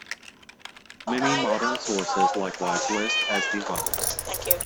Many modern sources likewise list as the height.